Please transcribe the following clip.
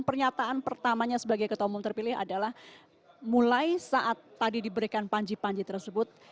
pernyataan pertamanya sebagai ketua umum terpilih adalah mulai saat tadi diberikan panji panji tersebut